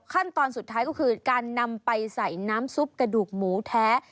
ขั้นตอนสุดท้ายก็คือการนำไปใส่น้ำซุปกระดูกหมูแท้